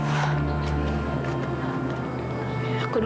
aku duluan ya rizky